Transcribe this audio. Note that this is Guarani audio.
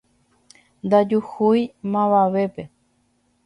Ndajuhúi mavavépe